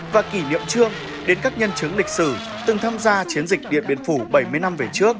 và kỷ niệm trương đến các nhân chứng lịch sử từng tham gia chiến dịch điện biên phủ bảy mươi năm về trước